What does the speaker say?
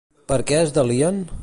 Per què es delien?